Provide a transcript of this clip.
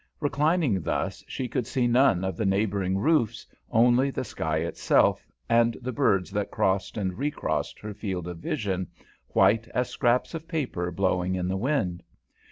Reclining thus she could see none of the neighbouring roofs, only the sky itself and the birds that crossed and recrossed her field of vision, white as scraps of paper blowing in the wind.